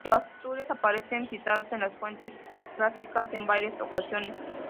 Los astures aparecen citados en las fuentes clásicas en varias ocasiones.